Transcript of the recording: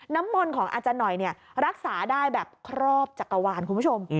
น้ำมนต์ของอาจารย์หน่อยรักษาได้แบบครอบจักรวาลคุณผู้ชม